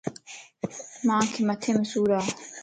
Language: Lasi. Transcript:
مانک مٿي مَ سُور ا.